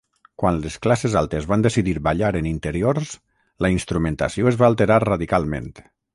Quan les classes altes van decidir ballar en interiors la instrumentació es va alterar radicalment.